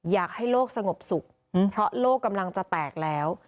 อยากให้โลกสงบสุขเพราะโลกกำลังจะแตกแล้ว